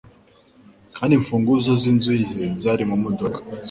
Kandi imfunguzo z'inzu ye zari mu modoka